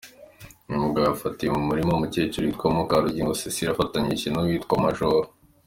Uyu mugabo yafatiwe mu murima w’umukecuru witwa Mukamurigo Cecile afatanyije n’uwitwa Majoro.